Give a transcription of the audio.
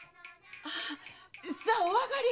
さあお上がり！